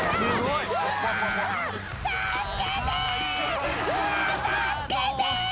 助けて！